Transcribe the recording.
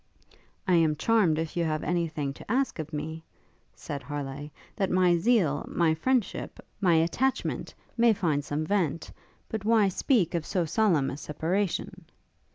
'I am charmed if you have anything to ask of me,' said Harleigh, 'that my zeal, my friendship, my attachment, may find some vent; but why speak of so solemn a separation?'